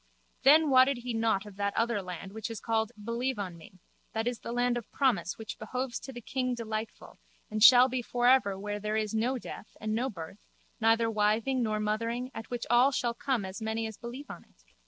Then wotted he nought of that other land which is called Believe on Me, that is the land of promise which behoves to the king Delightful and shall be for ever where there is no death and no birth neither wiving nor mothering at which all shall come as many as believe on it?